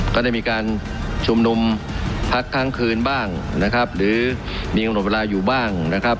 ก็ได้มีการชุมนุมพักครั้งคืนบ้างนะครับหรือมีกำหนดเวลาอยู่บ้างนะครับ